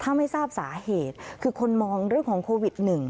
ถ้าไม่ทราบสาเหตุคือคนมองเรื่องของโควิด๑๙